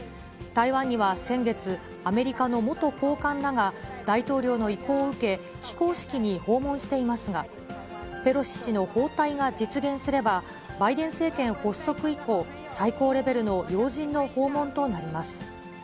台湾には先月、アメリカの元高官らが大統領の意向を受け、非公式に訪問していますが、ペロシ氏の訪台が実現すれば、バイデン政権発足以降、最高レベルの要人の訪問となります。